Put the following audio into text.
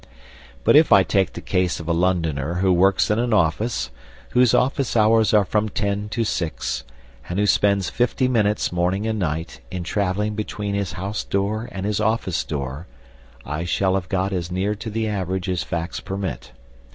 But if I take the case of a Londoner who works in an office, whose office hours are from ten to six, and who spends fifty minutes morning and night in travelling between his house door and his office door, I shall have got as near to the average as facts permit.